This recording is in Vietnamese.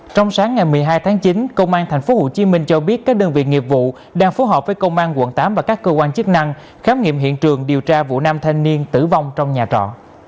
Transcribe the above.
trong sáng ngày một mươi hai tháng chín công an tp hcm cho biết các đơn vị nghiệp vụ đang phối hợp với công an quận tám và các cơ quan chức năng khám nghiệm hiện trường điều tra vụ nam thanh niên tử vong trong nhà trọ